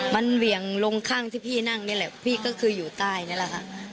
มันเหวี่ยงลงข้างที่พี่นั่งนี่แหละพี่ก็คืออยู่ใต้นี่แหละค่ะ